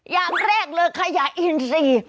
อย่างแรกเลยขยะอินซี